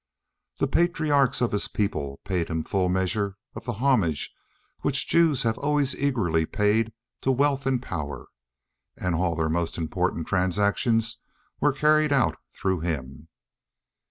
The patriarchs of his people paid him full measure of the homage which Jews have always eagerly paid to wealth and power, and all their most important transactions were carried out through him.